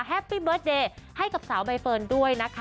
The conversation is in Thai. ปี้เบิร์ตเดย์ให้กับสาวใบเฟิร์นด้วยนะคะ